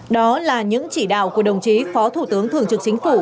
đó là những chỉ đạo của đồng chí phó thủ tướng thường trực chính phủ